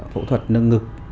phẫu thuật nâng ngực